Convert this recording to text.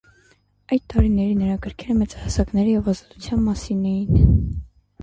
Այդ տարիների նրա գրքերը մեծահասակների և ազատության մասին էին։